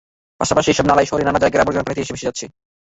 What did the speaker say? পাশাপাশি এসব নালায় শহরের নানা জায়গার আবর্জনাও পানিতে ভেসে এসে জমা হচ্ছে।